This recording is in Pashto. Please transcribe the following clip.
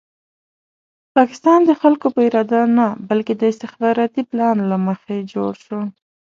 پاکستان د خلکو په اراده نه بلکې د استخباراتي پلان له مخې جوړ شو.